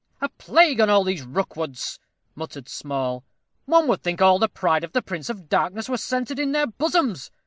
"A plague on all these Rookwoods!" muttered Small. "One would think all the pride of the Prince of Darkness were centered in their bosoms.